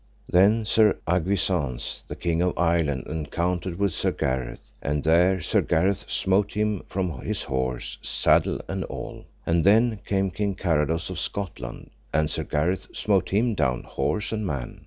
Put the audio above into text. Then Sir Agwisance, the King of Ireland, encountered with Sir Gareth, and there Sir Gareth smote him from his horse, saddle and all. And then came King Carados of Scotland, and Sir Gareth smote him down horse and man.